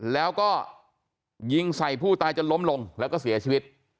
แล้วก็ยิงใส่ผู้ตายจนล้มลงแล้วก็เสียชีวิต